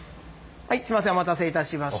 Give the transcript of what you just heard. はいすいませんお待たせいたしました。